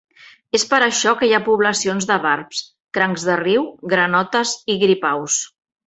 És per això que hi ha poblacions de barbs, crancs de riu, granotes i gripaus.